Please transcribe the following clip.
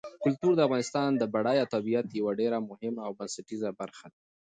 کلتور د افغانستان د بډایه طبیعت یوه ډېره مهمه او بنسټیزه برخه ده.